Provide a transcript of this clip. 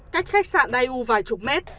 cách khách sạn dai u vài chục mét